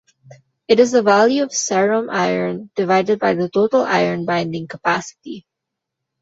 It is the value of serum iron divided by the total iron-binding capacity.